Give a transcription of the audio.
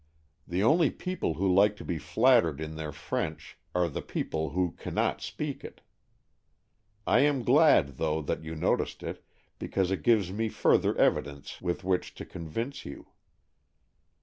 The only people who like to be flattered on their French are the people who cannot speak it. I am glad, though, that you noticed it, because it gives me further evidence with which to convince you.